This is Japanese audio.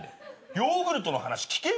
ヨーグルトの話聞けよ。